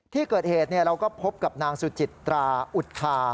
ที่เกิดเหตุเราก็พบกับนางสุจิตราอุทธา